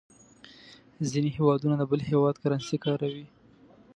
ځینې هېوادونه د بل هېواد کرنسي کاروي.